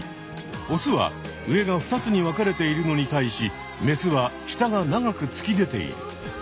オスは上が２つに分かれているのに対しメスは下が長くつき出ている。